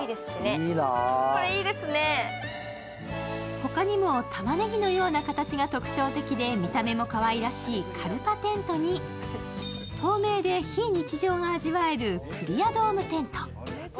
他にもたまねぎのような形が特徴的で見た目もかわいらしいカルパテントに透明で非日常が味わえるクリアドームテント。